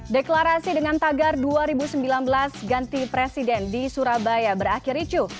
deklarasi dengan tagar dua ribu sembilan belas ganti presiden di surabaya berakhir icu